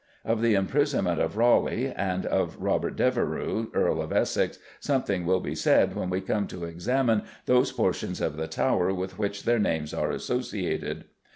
Of the imprisonment of Raleigh, and of Robert Devereux, Earl of Essex, something will be said when we come to examine those portions of the Tower with which their names are associated.